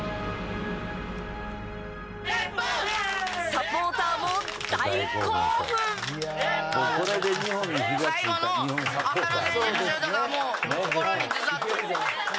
サポーターも大興奮。